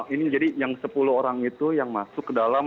ini jadi yang sepuluh orang itu yang masuk ke dalam